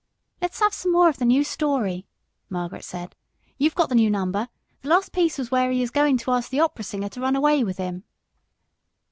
"Let's have some more of the story," Margaret said. "You've got the new number. The last piece was where he is going to ask the opera singer to run away with him."